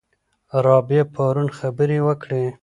رابعه پرون خبرې وکړې.